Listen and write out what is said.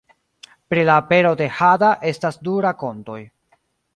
Pri la apero de hada estas du rakontoj.